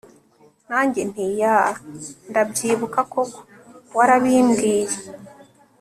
nanjye nti yeah! ndabyibuka koko warabimbwiye!